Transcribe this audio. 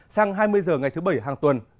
sang hai mươi h ngày thứ bảy hàng tuần